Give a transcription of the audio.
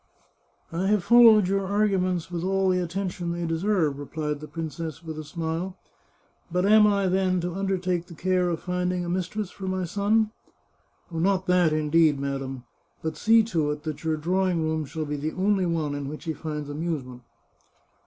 " I have followed your arguments with all the attention 444 The Chartreuse of Parma they deserve," replied the princess with a smile. " But am I, then, to undertake the care of finding a mistress for my son?" " Not that, indeed, madam ! But see to it that your drawing room shall be the only one in which he finds amuse ment."